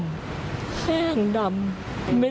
ไม่ได้ติดใจอะไรเลยคือว่าเขาไปแล้วก็ไม่อยากแบบ